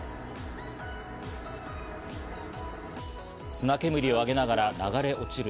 砂煙を上げながら流れ落ちる